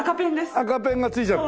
赤ペンが付いちゃった。